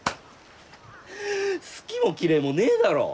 好きも嫌いもねえだろ。